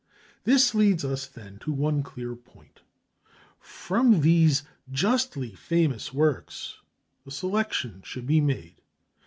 This leads us then to one clear point. From these justly famous works a selection should be made.